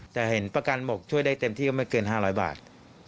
แต่เห็นประกันหมกช่วยได้เต็มที่ก็ไม่เกิน๕๐๐บาท